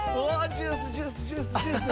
ジュースジュースジュースジュース。